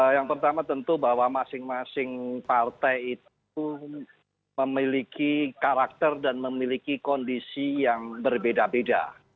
yang pertama tentu bahwa masing masing partai itu memiliki karakter dan memiliki kondisi yang berbeda beda